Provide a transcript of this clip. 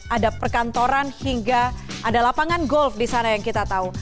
ada perkantoran hingga ada lapangan golf di sana yang kita tahu